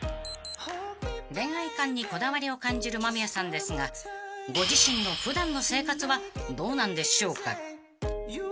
［恋愛観にこだわりを感じる間宮さんですがご自身の普段の生活はどうなんでしょうか］